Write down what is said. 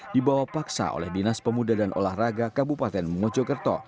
dibawa paksa oleh dinas pemuda dan olahraga kabupaten mojokerto